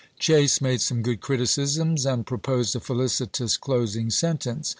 Chase made some good criticisms and proposed a felicitous closing sentence.